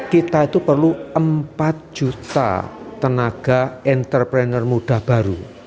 kita itu perlu empat juta tenaga entrepreneur muda baru